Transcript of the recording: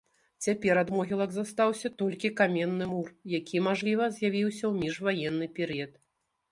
Цяпер ад могілак застаўся толькі каменны мур, які, мажліва, з'явіўся ў міжваенны перыяд.